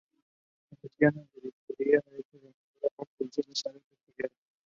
The only cab was located next to the boiler.